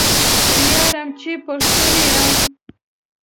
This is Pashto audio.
ویاړم چې پښتون یم